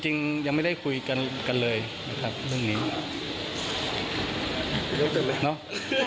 อ๋อจริงยังไม่ได้คุยกันเลยนะครับเรื่องนี้